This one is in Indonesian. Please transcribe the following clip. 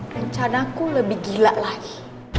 rencanaku lebih gila lagi